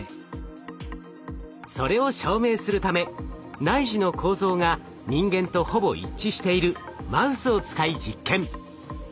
それを証明するため内耳の構造が人間とほぼ一致しているマウスを使い実験。